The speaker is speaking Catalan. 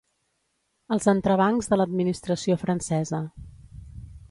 Els entrebancs de l’administració francesa.